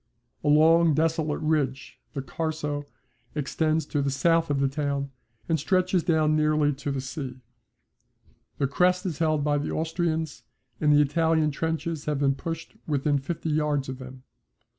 A long desolate ridge, the Carso, extends to the south of the town, and stretches down nearly to the sea. The crest is held by the Austrians and the Italian trenches have been pushed within fifty yards of them.